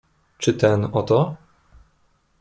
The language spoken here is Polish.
"Czy ten oto?"